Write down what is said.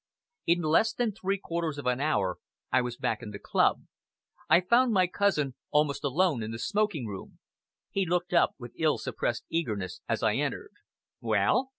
In less than three quarters of an hour, I was back in the club. I found my cousin almost alone in the smoking room. He looked up with ill suppressed eagerness as I entered. "Well?"